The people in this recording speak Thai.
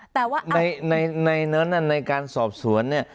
แต่ว่าในนั้นในการสอบสวนเนี่ย